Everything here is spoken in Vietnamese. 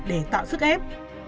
để tạo sức ép